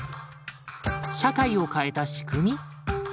社会を変えた仕組み？